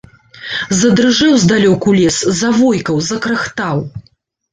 Задрыжэў здалёку лес, завойкаў, закрахтаў.